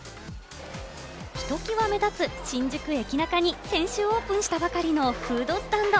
ひときわ目立つ新宿駅ナカに先週オープンしたばかりのフードスタンド。